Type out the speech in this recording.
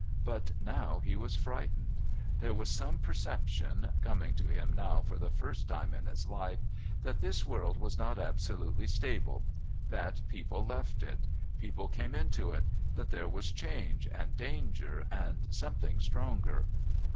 But now he was frightened. There was some perception, coming to him now for the first time in his life, that this world was not absolutely stable that people left it, people came into it, that there was change and danger and something stronger....